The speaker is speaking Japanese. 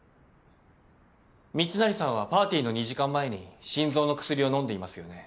密成さんはパーティーの２時間前に心臓の薬を飲んでいますよね。